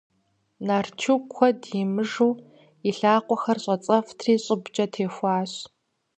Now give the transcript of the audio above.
Нарчу куэд имыжу и лъакъуэхэр щӀэцӀэфтри щӀыбкӀэ техуащ.